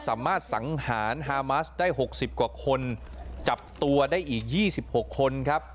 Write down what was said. สามารถสังหารฮามาสได้หกสิบกว่าคนจับตัวได้อีกยี่สิบหกคนครับ